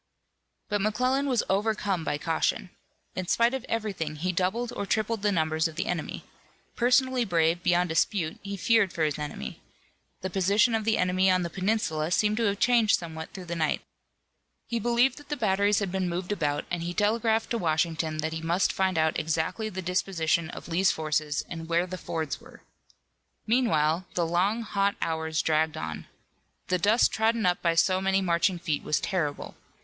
But McClellan was overcome by caution. In spite of everything he doubled or tripled the numbers of the enemy. Personally brave beyond dispute, he feared for his army. The position of the enemy on the peninsula seemed to have changed somewhat through the night. He believed that the batteries had been moved about, and he telegraphed to Washington that he must find out exactly the disposition of Lee's forces and where the fords were. Meanwhile the long, hot hours dragged on. The dust trodden up by so many marching feet was terrible.